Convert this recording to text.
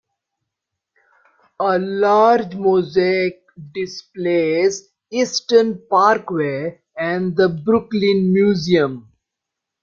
A large mosaic displays Eastern Parkway and the "Brooklyn Museum".